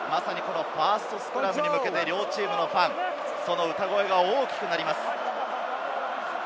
ファーストスクラムに向けて両チームのファン、その歌声が大きくなります。